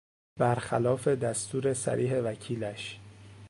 برخلاف دستور صریح وکیلش